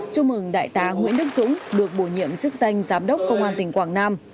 chúc mừng đại tá nguyễn đức dũng được bổ nhiệm chức danh giám đốc công an tỉnh quảng nam